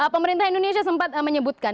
pemerintah indonesia sempat menyebutkan